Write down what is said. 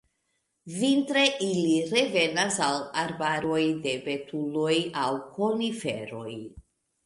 Vintre ili revenas al arbaroj de betuloj aŭ koniferoj.